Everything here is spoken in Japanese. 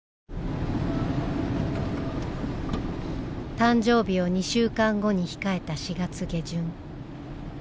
誕生日を２週間後に控えた４月下旬。